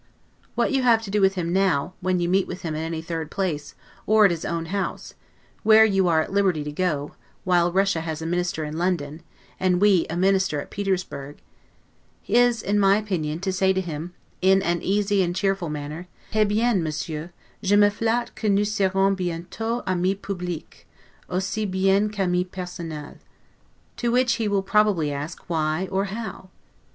What you have to do with him now, when you meet with him at any third place, or at his own house (where you are at liberty to go, while Russia has a Minister in London, and we a Minister at Petersburg), is, in my opinion, to say to him, in an easy cheerful manner, 'He bien, Monsieur, je me flatte que nous serons bientot amis publics, aussi bien qu'amis personels'. To which he will probably ask, Why, or how?